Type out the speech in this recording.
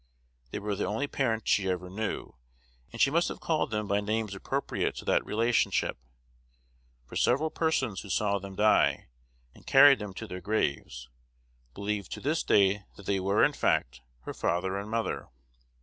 They were the only parents she ever knew; and she must have called them by names appropriate to that relationship, for several persons who saw them die, and carried them to their graves, believe to this day that they were, in fact, her father and mother.